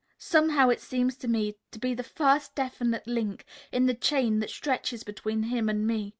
Somehow it seems to me to be the first definite link in the chain that stretches between him and me.